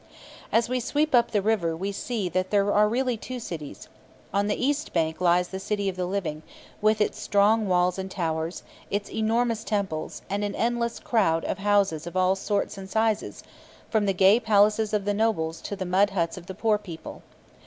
As we sweep up the river we see that there are really two cities. On the east bank lies the city of the living, with its strong walls and towers, its enormous temples, and an endless crowd of houses of all sorts and sizes, from the gay palaces of the nobles to the mud huts of the poor people.